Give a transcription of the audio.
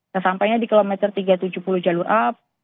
kesampainya di km tiga ratus tujuh puluh jalur a